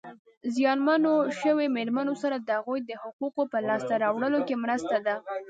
زیانمنو شویو مېرمنو سره د هغوی د حقوقو په لاسته راوړلو کې مرسته ده.